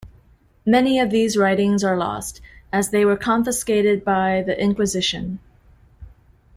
Many of these writings are lost, as they were confiscated by the Inquisition.